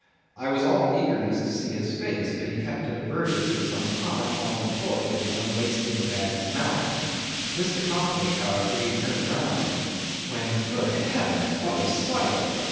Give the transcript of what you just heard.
I was all eagerness to see his face, but he kept it averted for some time while employed in unlacing the bag's mouth. This accomplished, however, he turned round—when, good heavens! what a sight!